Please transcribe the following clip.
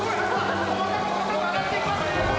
細かく細かく上がっていきます！